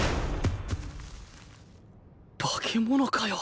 化け物かよ！？